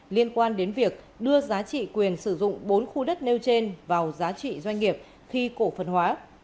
liên quan đến việc đưa giá trị quyền sử dụng bốn khu đất nêu trên vào giá trị doanh nghiệp khi cổ phần hóa